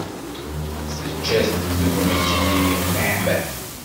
Teǧǧa-t tegnit-nni yemmehmeh.